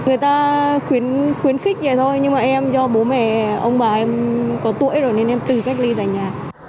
người ta khuyến khích rồi thôi nhưng mà em do bố mẹ ông bà em có tuổi rồi nên em tự cách ly tại nhà